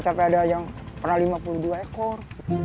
sampai ada yang pernah lima puluh dua ekor